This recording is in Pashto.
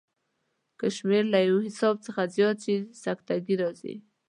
که شمېر له یو سېلاب څخه زیات شي سکته ګي راځي.